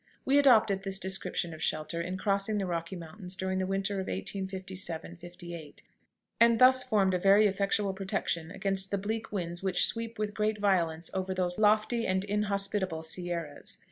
We adopted this description of shelter in crossing the Rocky Mountains during the winter of 1857 8, and thus formed a very effectual protection against the bleak winds which sweep with great violence over those lofty and inhospitable sierras.